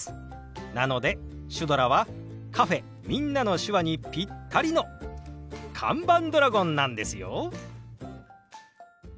なのでシュドラはカフェ「みんなの手話」にピッタリの看板ドラゴンなんですよ。